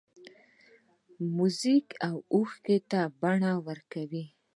موزیک اوښکو ته بڼه ورکوي.